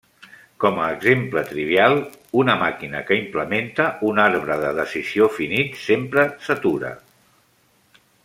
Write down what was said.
Com a exemple trivial, una màquina que implementa un arbre de decisió finit sempre s'atura.